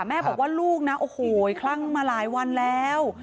แม่บอกว่าลูกนะโอ้โหคลั่งมาหลายวันแล้ว